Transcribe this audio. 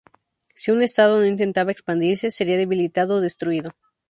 Si un estado no intentaba expandirse, sería debilitado o destruido.